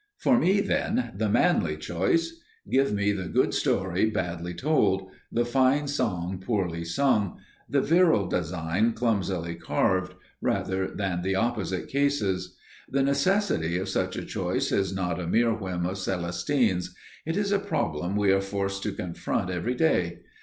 For me, then, the manly choice. Give me the good story badly told, the fine song poorly sung, the virile design clumsily carved, rather than the opposite cases. The necessity of such a choice is not a mere whim of Celestine's; it is a problem we are forced to confront every day.